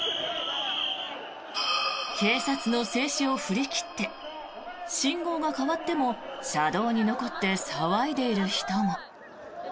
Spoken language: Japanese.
警察の制止を振り切って信号が変わっても車道に残って騒いでいる人も。